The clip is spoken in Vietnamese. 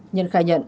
nhân khai nhận